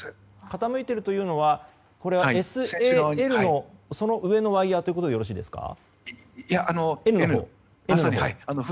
傾いているというのは「ＳＡＬ」のその上のワイヤということでよろしいでしょうか。